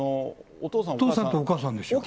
お父さんとお母さんでしょ。